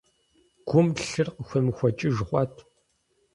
Гум лъыр къыхуемыхуэкӀыж хъуат.